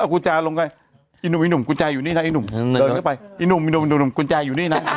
คุณแจ่ควันนี้หน่อยอะไรแบบเนี่ย